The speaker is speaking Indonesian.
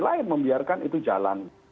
lain membiarkan itu jalan